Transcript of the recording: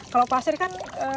kalau pasir kan